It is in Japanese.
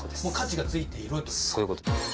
そういうことです